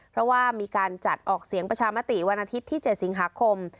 เพราะว่ามีการจัดออกเสียงประชามติวันอาทิตย์ที่๗สิงหาคม